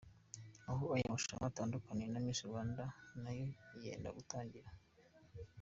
Aho aya marushanwa atandukaniye na Miss Rwanda nayo yenda gutangira.